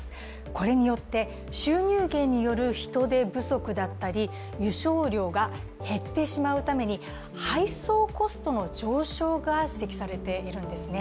これによって収入減による人手不足だったり輸送量が減ってしまうために配送コストの上昇が指摘されているんですね。